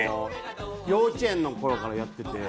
幼稚園のころからやってて。